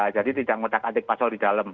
jadi tidak menakadik pasal di dalam